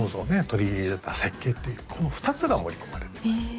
取り入れた設計というこの２つが盛り込まれてます